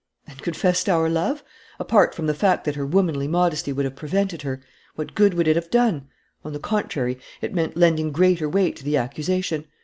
"And confessed our love? Apart from the fact that her womanly modesty would have prevented her, what good would it have done? On the contrary, it meant lending greater weight to the accusation.